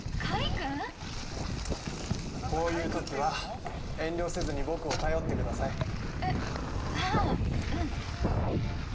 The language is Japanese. ◆こういうときは、遠慮せずに僕を頼ってください。